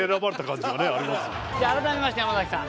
じゃあ改めまして山崎さん。